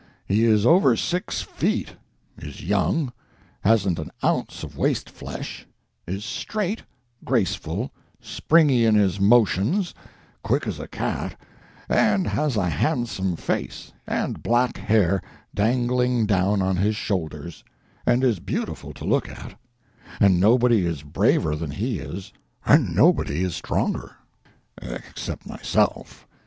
He is over six feet, is young, hasn't an ounce of waste flesh, is straight, graceful, springy in his motions, quick as a cat, and has a handsome face, and black hair dangling down on his shoulders, and is beautiful to look at; and nobody is braver than he is, and nobody is stronger, except myself.